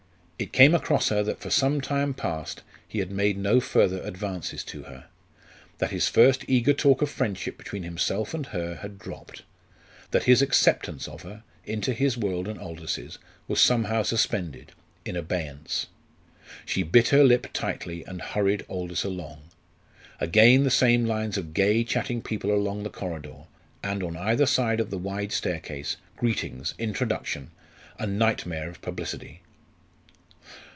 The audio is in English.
It came across her that for some time past he had made no further advances to her; that his first eager talk of friendship between himself and her had dropped; that his acceptance of her into his world and Aldous's was somehow suspended in abeyance. She bit her lip tightly and hurried Aldous along. Again the same lines of gay, chatting people along the corridor, and on either side of the wide staircase greetings, introduction a nightmare of publicity.